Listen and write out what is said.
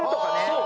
そう！